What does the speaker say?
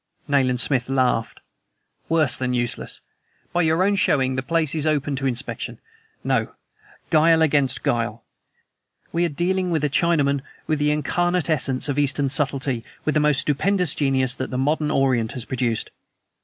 Nayland Smith laughed. "Worse than useless! By your own showing, the place is open to inspection. No; guile against guile! We are dealing with a Chinaman, with the incarnate essence of Eastern subtlety, with the most stupendous genius that the modern Orient has produced."